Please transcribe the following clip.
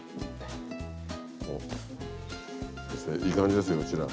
先生いい感じですようちら。